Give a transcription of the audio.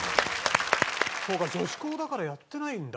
そうか女子校だからやってないんだ。